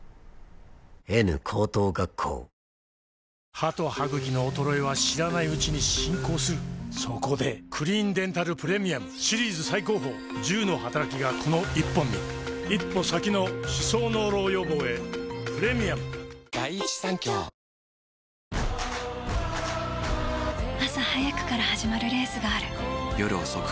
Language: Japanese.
歯と歯ぐきの衰えは知らないうちに進行するそこで「クリーンデンタルプレミアム」シリーズ最高峰１０のはたらきがこの１本に一歩先の歯槽膿漏予防へプレミアム字幕が付かない場合があります。